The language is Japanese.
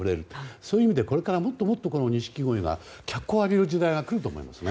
そういう意味でこれからもっとこのニシキゴイが脚光を浴びる時代が来ると思いますね。